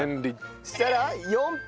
そうしたら４分。